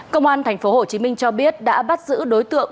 công an tp hcm cho biết đã bắt giữ đối tượng